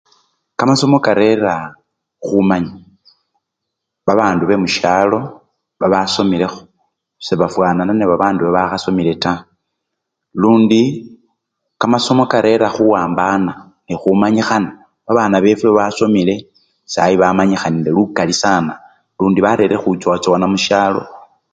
Kamasomo karera khumanya, babandu bemusyalo babasomelekho sebafwanana nende babandu bakhasomele taa, lundi kamasomo karera khuwambana nende khumanyikhana, babana befwe basomile sayi bamanyikhanile lukali sana lundi barerire khuchowa chowana musyalo.